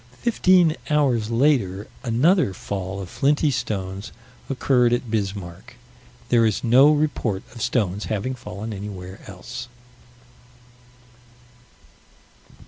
Fifteen hours later another fall of flinty stones occurred at Bismarck. There is no report of stones having fallen anywhere else.